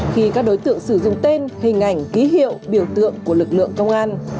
khi các đối tượng sử dụng tên hình ảnh ký hiệu biểu tượng của lực lượng công an